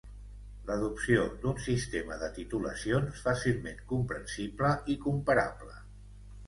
L'adopció d'un sistema de titulacions fàcilment comprensible i comparable